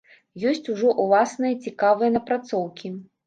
Ёсць ужо ўласныя цікавыя напрацоўкі.